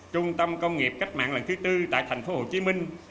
trung tâm công nghiệp cách mạng lần thứ tư tại thành phố hồ chí minh